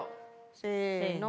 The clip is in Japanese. せの。